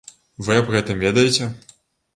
Вы аб гэтым ведаеце?